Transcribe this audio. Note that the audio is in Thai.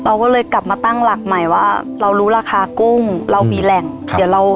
เราก็เลยกลับมาตั้งหลักใหม่ว่าเรารู้ราคากุ้งเรามีแหล่งเดี๋ยวเรา